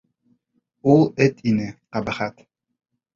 Ул эт ине, ҡәбәхәт!